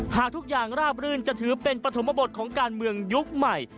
หากทุกอย่างราบรื่นจะถือเป็นปฐมบทของการเมืองยุคใหม่